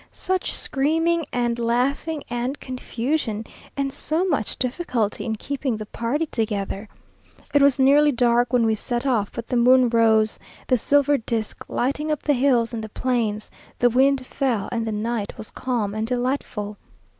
Such screaming and laughing and confusion! and so much difficulty in keeping the party together? It was nearly dark when we set off; but the moon rose, the silver disc lighting up the hills and the plains; the wind fell, and the night was calm and delightful.